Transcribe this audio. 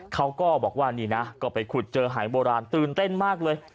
เขาก็บอกว่านี่นะก็ไปขุดเจอหายโบราณตื่นเต้นมากเลย